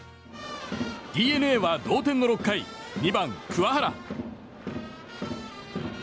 ＤｅＮＡは同点の６回２番、桑原。